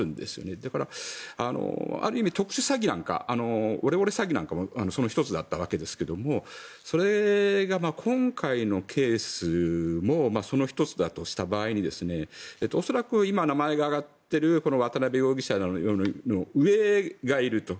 だから、ある意味特殊詐欺なんかオレオレ詐欺なんかもその１つだったわけですがそれが今回のケースもその１つだとした場合恐らく今、名前が挙がっている渡邉容疑者の上がいると。